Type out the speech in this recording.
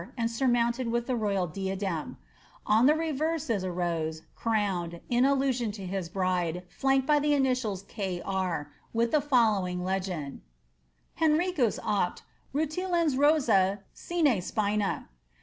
and surmounted with the regal diadem.* On the reveree if a rose, crowned, in allusion to his bride, fianked by the initials K* R t with the following legend, — Henriciis VIIL nitilans rosa sine spina.